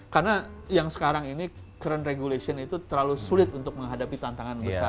karena yang sekarang ini current regulation itu terlalu sulit untuk menghadapi tantangan besar